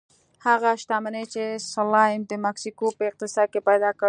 هغه شتمني چې سلایم د مکسیکو په اقتصاد کې پیدا کړه.